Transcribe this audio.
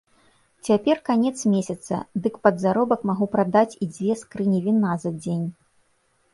Цяпер канец месяца, дык пад заробак магу прадаць і дзве скрыні віна за дзень.